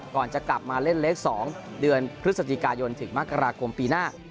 ก่อนจะกลับมาเล่นเลข๒เดือนพฤศจิกายนถึงมกราคมปีหน้า